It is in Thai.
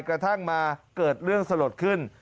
กระทั่งมาเกิดเรื่องสลดขึ้น